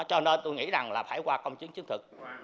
cho nên tôi nghĩ rằng là phải qua công chứng chứng thực